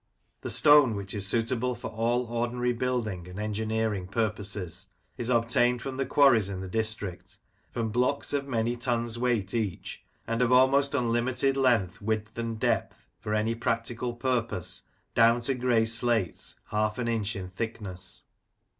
The stone, which is suit able for all ordinary building and engineering purposes, is obtained from the quarries in the district, from blocks of many tons weight each, and of almost unlimited length, width, and depth, for any practical purpose, down to grey slates, half an inch in thickness.